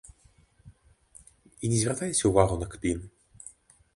І не звяртайце ўвагу на кпіны.